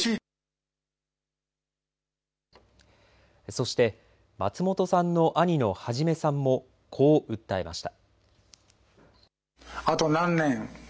そして松本さんの兄の孟さんもこう訴えました。